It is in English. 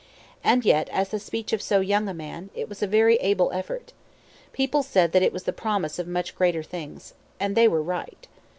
And yet, as the speech of so young a man, it was a very able effort. People said that it was the promise of much greater things. And they were right.